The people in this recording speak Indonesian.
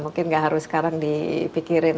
mungkin gak harus sekarang dipikirin